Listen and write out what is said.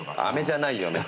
あめじゃないよ。